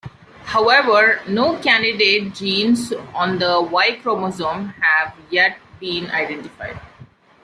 However, no candidate genes on the Y chromosome have yet been identified.